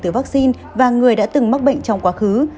từ vaccine và người đã từng mắc bệnh trong quá khứ